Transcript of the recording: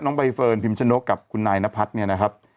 น้องใบเฟิร์นพิมพ์ชะโน๊กกับคุณนายนพัดเนี่ยนะครับ